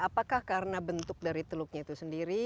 apakah karena bentuk dari teluknya itu sendiri